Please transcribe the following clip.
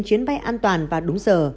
chuyến bay an toàn và đúng giờ